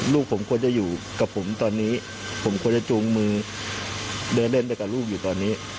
ลูกผมควรจะอยู่กับผมตอนนี้ผมควรจะจูงมือเดินเล่นไปกับลูกอยู่ตอนนี้